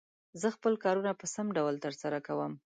زه خپل کارونه په سم ډول تر سره کووم.